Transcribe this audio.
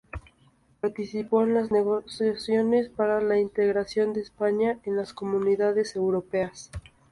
Participó en las negociaciones para la integración de España en las Comunidades Europeas.